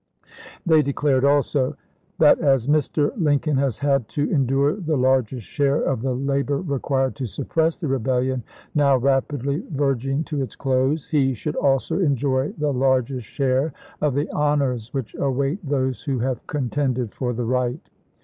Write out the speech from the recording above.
They declared also :" That as Mr. Lin coln has had to endure the largest share of the labor required to suppress the Rebellion, now rapidly verging to its close, he should also enjoy the largest share of the honors which await those who have contended for the right.